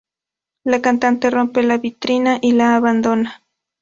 La cantante rompe la vitrina y la abandona.